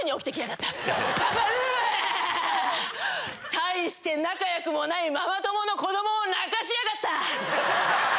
大して仲良くもないママ友の子どもを泣かしやがった！